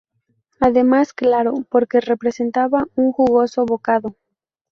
Además, claro, porque representaba un jugoso bocado.